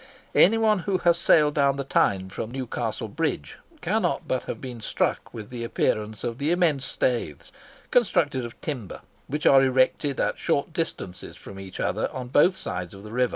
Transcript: Any one who has sailed down the Tyne from Newcastle Bridge cannot but have been struck with the appearance of the immense staiths, constructed of timber, which are erected at short distances from each other on both sides of the river.